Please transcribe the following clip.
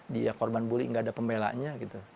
dia korban bully nggak ada pembelanya